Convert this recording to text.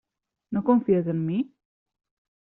No confies en mi?